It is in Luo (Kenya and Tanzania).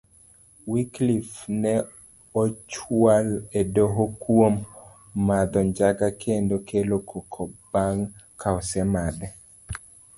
Wyclife ne ochual edoho kuom madho njaga kendo kelo koko bang kaosemadhe.